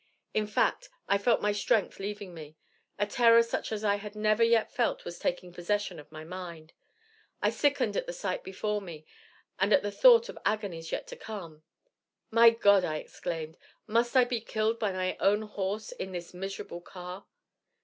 In fact, I felt my strength leaving me. A terror such as I had never yet felt was taking possession of my mind. I sickened at the sight before me, and at the thought of agonies yet to come. 'My God I exclaimed, 'must I be killed by my own horse in this miserable car!'